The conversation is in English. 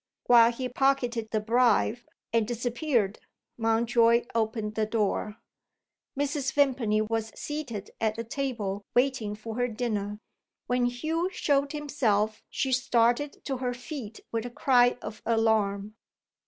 While he pocketed the bribe, and disappeared, Mountjoy opened the door. Mrs. Vimpany was seated at a table waiting for her dinner. When Hugh showed himself she started to her feet with a cry of alarm.